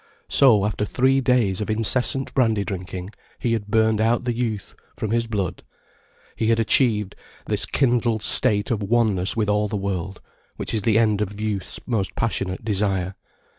So, after three days of incessant brandy drinking, he had burned out the youth from his blood, he had achieved this kindled state of oneness with all the world, which is the end of youth's most passionate desire.